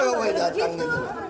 iya kenapa mau datang